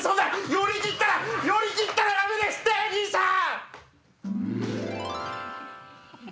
寄り切ったら寄り切ったらダメですって兄さん！